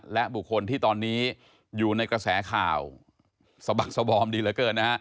และบุคคลที่ตอนนี้อยู่ในกระแสข่าวสะบักสบอมดีเหลือเกินนะฮะ